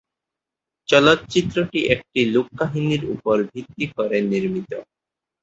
চলচ্চিত্রটি একটি লোক কাহিনীর উপর ভিত্তি করে নির্মিত।